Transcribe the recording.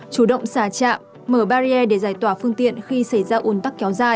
chủ động xả chạm mở barrier để giải tỏa phương tiện khi xảy ra ôn tắc kéo dài